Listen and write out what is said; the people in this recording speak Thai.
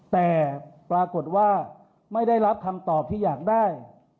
แต่ปรากฏว่าไม่ได้รับคำตอบที่อยากได้